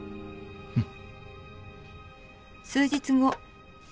うん。